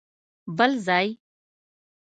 بل ځای؟!